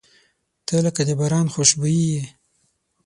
• ته لکه د باران خوشبويي یې.